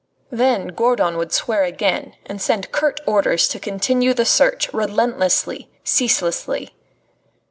Then Gourdon would swear again and send curt orders to continue the search, relentlessly, ceaselessly.